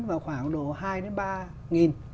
vào khoảng độ hai đến ba nghìn